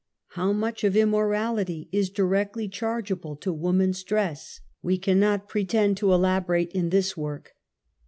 How much of immorality is directly chargeable SOCIAL EVIL. 91 to woman's dress, we cannot pretend to elaborate in this work.